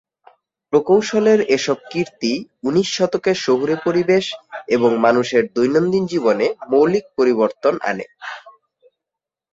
প্রকৌশলের এসব কীর্তি ঊনিশ শতকের শহুরে পরিবেশ এবং মানুষের দৈনন্দিন জীবনে মৌলিক পরিবর্তন আনে।